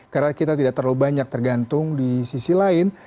karena kita tidak terlalu banyak tergantung di sisi lain